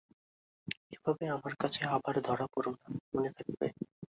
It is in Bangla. এভাবে আমার কাছে আবার ধরা পড়ো না, মনে থাকবে?